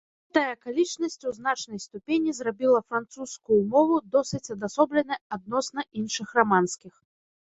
Гэтая акалічнасць у значнай ступені зрабіла французскую мову досыць адасобленай адносна іншых раманскіх.